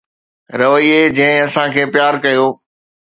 رويي جنهن اسان کي پيار ڪيو